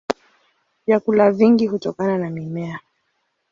Vyakula vingi hutokana na mimea.